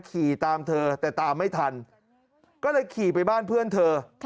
ขี่ตามเธอแต่ตามไม่ทันก็เลยขี่ไปบ้านเพื่อนเธอ